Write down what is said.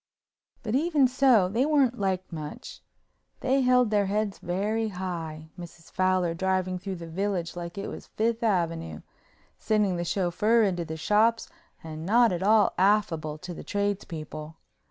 But even so they weren't liked much. They held their heads very high, Mrs. Fowler driving through the village like it was Fifth Avenue, sending the chauffeur into the shops and not at all affable to the tradespeople.